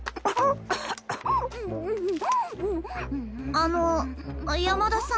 あの山田さん。